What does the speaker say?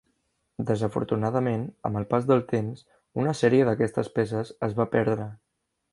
Desafortunadament, amb el pas del temps, una sèrie d'aquestes peces es va perdre.